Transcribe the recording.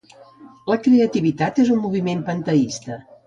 La creativitat és un moviment panteista.